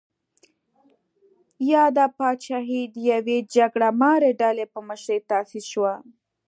یاده پاچاهي د یوې جګړه مارې ډلې په مشرۍ تاسیس شوه.